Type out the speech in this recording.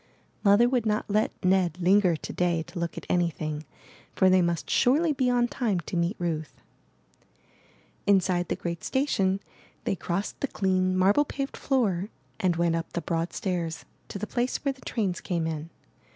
Mother would not let Ned linger to day to look at anything; for they must surely be on time to meet Ruth. Inside the great station, they crossed the clean, marble paved floor and went up the broad stairs to the place where the trains came in.